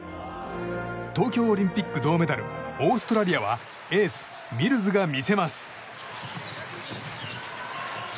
東京オリンピック銅メダルオーストラリアはエース、ミルズが見せます。